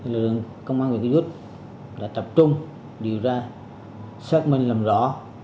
lợi dụng công an về cư rút đã tập trung điều ra xác minh làm rõ